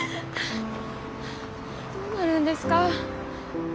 どうなるんですか？